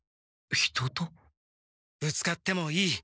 ぶつかってもいい。